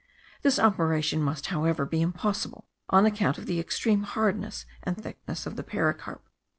This operation must, however, be impossible, on account of the extreme hardness and thickness of the pericarp.